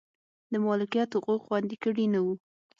د مالکیت حقوق خوندي کړي نه و.